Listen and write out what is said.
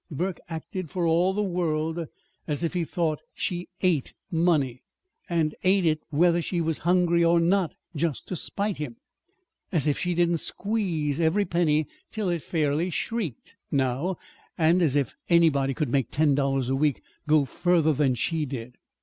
Burke acted, for all the world, as if he thought she ate money, and ate it whether she was hungry or not, just to spite him. As if she didn't squeeze every penny till it fairly shrieked, now; and as if anybody could make ten dollars a week go further than she did!